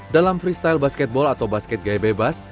dalam freestyle basketball atau basket gaya bebas